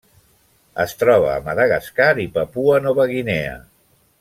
Es troba a Madagascar i Papua Nova Guinea.